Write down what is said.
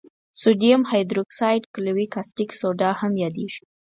سودیم هایدروکساید قلوي کاستیک سوډا هم یادیږي.